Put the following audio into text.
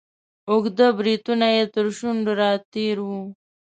اوږده بریتونه یې تر شونډو را تیر وه.